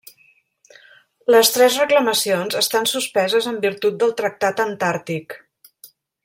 Les tres reclamacions estan suspeses en virtut del Tractat Antàrtic.